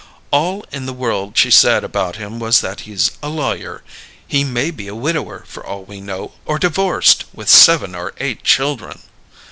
"All in the world she said about him was that he's a lawyer. He may be a widower, for all we know, or divorced, with seven or eight children."